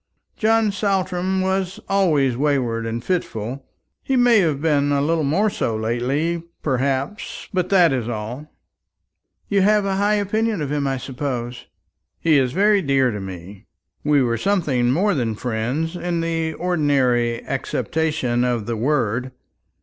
John Saltram was always wayward and fitful. He may have been a little more so lately, perhaps, but that is all." "You have a very high opinion of him, I suppose?" "He is very dear to me. We were something more than friends in the ordinary acceptation of the word.